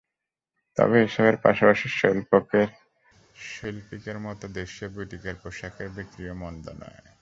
তবে এসবের পাশাপাশি শৈল্পিকের মতো দেশীয় বুটিকের পোশাকের বিক্রিও মন্দ নয়।